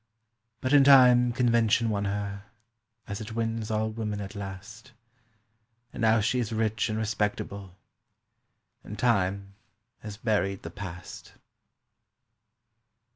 But in time convention won her, as it wins all women at last, And now she is rich and respectable, and time has buried the past.